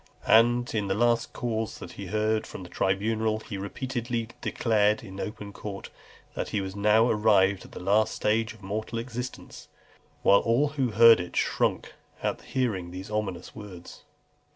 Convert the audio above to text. And in the last cause he heard from the tribunal, he repeatedly declared in open court, "That he was now arrived at the last stage of mortal existence;" whilst all who heard it shrunk at hearing these ominous words.